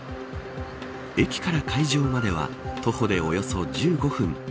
駅から会場までは徒歩でおよそ１５分。